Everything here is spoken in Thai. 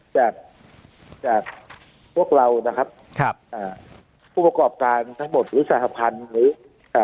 จากจากพวกเรานะครับครับอ่าผู้ประกอบการทั้งหมดหรือสหพันธ์หรือเอ่อ